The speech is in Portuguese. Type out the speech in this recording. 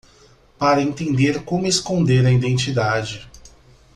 Para entender como esconder a identidade